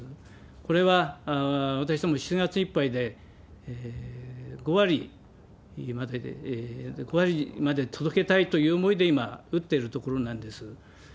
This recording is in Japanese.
これは私ども、７月いっぱいで５割までで、６割まで届けたいという思いで、今、打ってるところなんです。